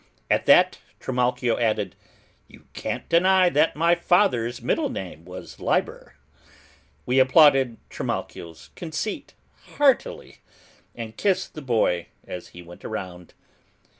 At that Trimalchio added, "You can't deny that my father's middle name was Liber!" We applauded Trimalchio's conceit heartily, and kissed the boy as he went around.